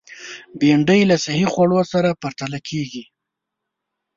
بېنډۍ له صحي خوړو سره پرتله کېږي